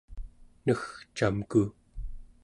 negcamku